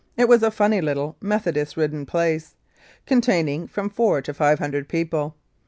It was a funny little Methodist ridden place, containing from four to five hundred people.